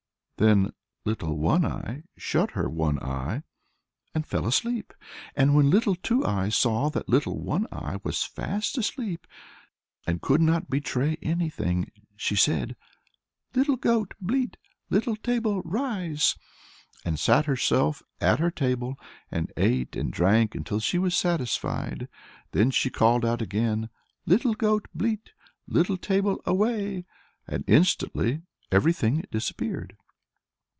Then Little One Eye shut her one eye, and fell asleep. And when Little Two Eyes saw that Little One Eye was fast asleep, and could not betray anything, she said, "Little goat, bleat; little table, rise," and sat herself at her table, and ate and drank till she was satisfied; then she called out again, "Little goat, bleat; little table, away," and instantly everything disappeared.